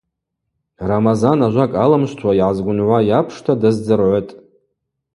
Рамазан ажвакӏ алымшвтуа йгӏазгвынгӏвуа йапшта даздзыргӏвытӏ.